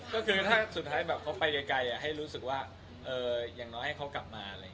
ก็คือถ้าสุดท้ายเขาไปไกลให้รู้สึกว่าอย่างน้อยให้เขากลับมา